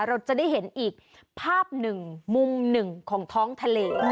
เราจะได้เห็นอีกภาพหนึ่งมุมหนึ่งของท้องทะเล